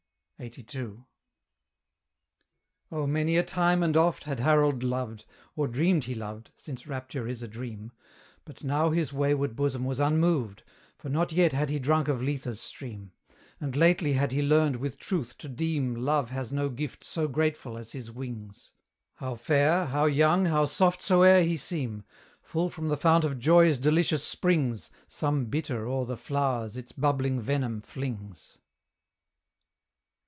LXXXII. Oh! many a time and oft had Harold loved, Or dreamed he loved, since rapture is a dream; But now his wayward bosom was unmoved, For not yet had he drunk of Lethe's stream: And lately had he learned with truth to deem Love has no gift so grateful as his wings: How fair, how young, how soft soe'er he seem, Full from the fount of joy's delicious springs Some bitter o'er the flowers its bubbling venom flings.